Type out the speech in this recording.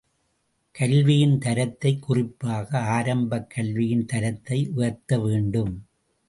கல்வியின் தரத்தைக் குறிப்பாக ஆரம்பக் கல்வியின் தரத்தை உயர்த்த வேண்டும்.